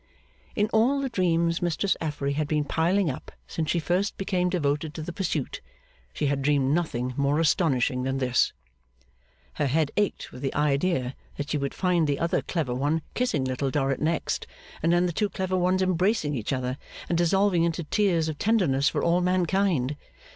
In all the dreams Mistress Affery had been piling up since she first became devoted to the pursuit, she had dreamed nothing more astonishing than this. Her head ached with the idea that she would find the other clever one kissing Little Dorrit next, and then the two clever ones embracing each other and dissolving into tears of tenderness for all mankind.